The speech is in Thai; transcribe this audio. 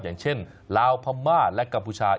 อย่างเช่นลาวพม่าและกัมพูชา